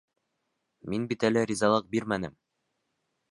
Мин бит әле ризалыҡ бирмәнем.